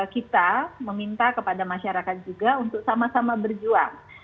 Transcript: kita meminta kepada masyarakat juga untuk sama sama berjuang